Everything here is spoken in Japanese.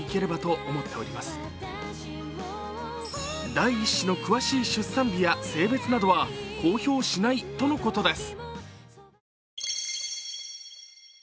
第１子の詳しい出産日や性別などは公表しないとのことです。